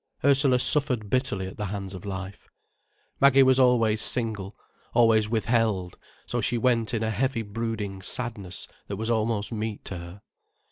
Ursula suffered bitterly at the hands of life, Maggie was always single, always withheld, so she went in a heavy brooding sadness that was almost meat to her.